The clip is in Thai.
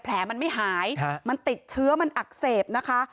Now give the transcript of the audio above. แผลมันไม่หายมันติดเชื้อมันอักเสบนะคะ